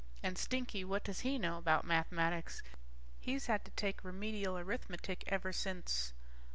And Stinky, what does he know about mathematics? He's had to take Remedial Arithmetic ever since